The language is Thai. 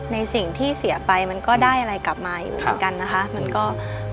ในสิ่งที่เสียไปมันก็ได้อะไรกลับมาอยู่เหมือนกันนะคะ